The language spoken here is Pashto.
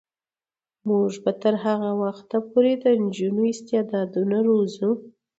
موږ به تر هغه وخته پورې د نجونو استعدادونه روزو.